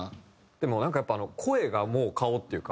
でもなんかやっぱ声がもう顔っていうか。